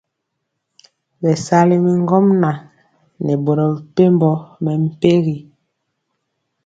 Bɛsali ŋgomnaŋ nɛ boro mepempɔ mɛmpegi.